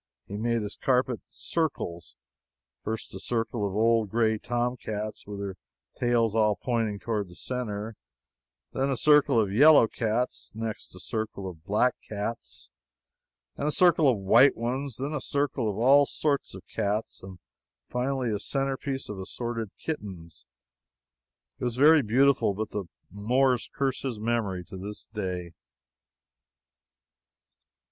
He made his carpet in circles first a circle of old gray tomcats, with their tails all pointing toward the center; then a circle of yellow cats; next a circle of black cats and a circle of white ones; then a circle of all sorts of cats; and, finally, a centerpiece of assorted kittens. It was very beautiful, but the Moors curse his memory to this day.